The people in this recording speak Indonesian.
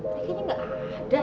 tadi kayaknya gak ada deh